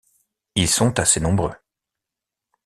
Ils sont assez nombreux.